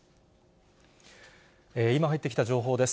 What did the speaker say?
今入ってきた情報です。